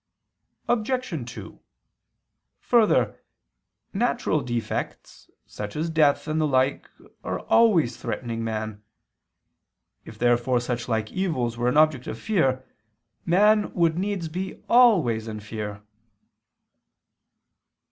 Obj. 2: Further, natural defects such as death and the like are always threatening man. If therefore such like evils were an object of fear, man would needs be always in fear.